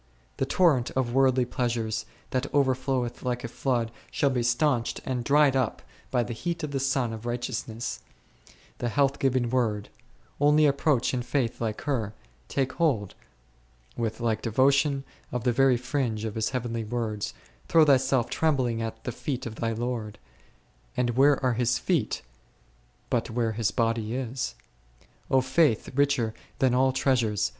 The torrent of worldly pleasures, that overnoweth like a flood, shall be staunched and dried up by the heat of the Sun of Righteousness, the health giving Word; only approach in faith like her ; take hold, with like devotion, of the very fringe of His heavenly words ; throw thyself trembling at the feet of thy Lord ; and where are His feet, but where His Body is ? O faith richer than all treasures